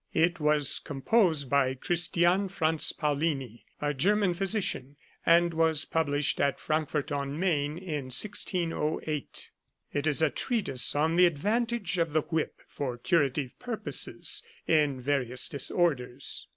It was composed by Christian Franz Paullini, a German physician, and was published at Frankfort on Maine in 1608. It is a treatise on the advantage of the whip for curative purposes in various disorders.